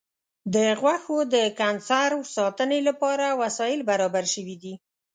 د غوښو د کنسرو ساتنې لپاره وسایل برابر شوي دي.